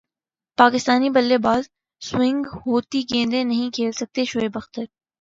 پاکستانی بلے باز سوئنگ ہوتی گیندیں نہیں کھیل سکتے شعیب اختر